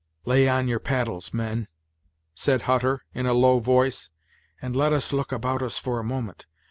"Lay on your paddles, men," said Hutter, in a low voice, "and let us look about us for a moment.